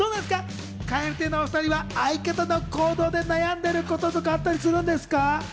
蛙亭のお２人は相方の行動で悩んでいることとかあったりするんですか？